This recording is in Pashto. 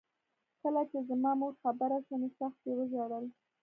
کله چې زما مور خبره شوه نو سخت یې ژړل